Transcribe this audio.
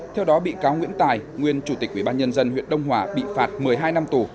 theo đó bị cáo nguyễn tài nguyên chủ tịch ubnd huyện đông hòa bị phạt một mươi hai năm tù